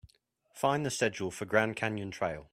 Find the schedule for Grand Canyon Trail.